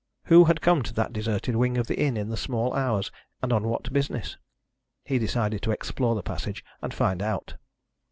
Who had come to that deserted wing of the inn in the small hours, and on what business? He decided to explore the passage and find out.